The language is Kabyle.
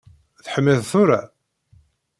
Teḥmiḍ tura?